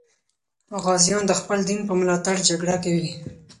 غازیان د خپل دین په ملاتړ جګړه کوي.